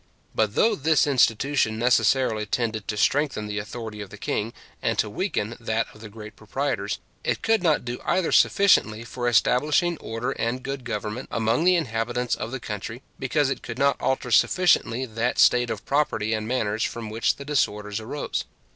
But though this institution necessarily tended to strengthen the authority of the king, and to weaken that of the great proprietors, it could not do either sufficiently for establishing order and good government among the inhabitants of the country; because it could not alter sufficiently that state of property and manners from which the disorders arose.